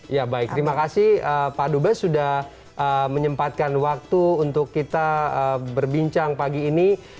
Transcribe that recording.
ya baik terima kasih pak dubes sudah menyempatkan waktu untuk kita berbincang pagi ini